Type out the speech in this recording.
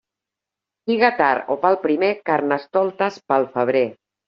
Siga tard o pel primer, carnestoltes pel febrer.